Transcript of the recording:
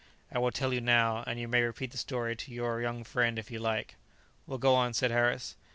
"I will tell you now, and you may repeat the story to your young friend if you like." "Well, go on," said Harris.